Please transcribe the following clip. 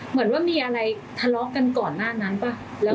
เหมือนว่ามีอะไรทะเลาะกันก่อนหน้านั้นป่ะ